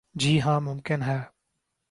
جی ہاں ممکن ہے ۔